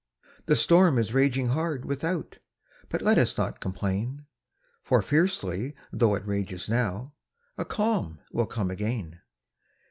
The storm is raging hard, without; But let us not complain, For fiercely tho' it rages now, A calm will come again.